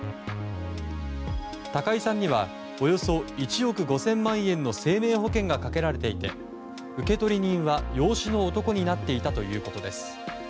高井さんにはおよそ１億５０００万円の生命保険がかけられていて受取人は養子の男になっていたということです。